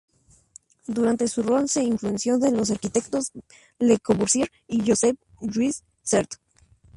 Durante su rol se influenció de los arquitectos Le Corbusier y Josep Lluís Sert.